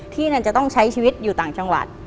ที่นั่นจะต้องใช้ชีวิตอยู่ต่างจังหวัด